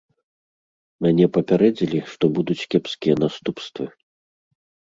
Мяне папярэдзілі, што будуць кепскія наступствы.